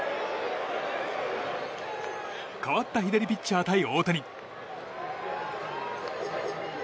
代わった左ピッチャー対、大谷。